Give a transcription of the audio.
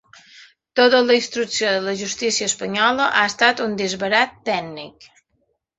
Tota la instrucció de la justícia espanyola ha estat un disbarat tècnic.